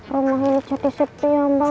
rumah ini jadi sepi mbak